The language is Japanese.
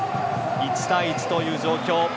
１対１という状況。